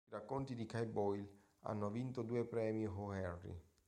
I racconti di Kay Boyle hanno vinto due premi O. Henry.